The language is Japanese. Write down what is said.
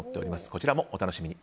こちらもお楽しみに。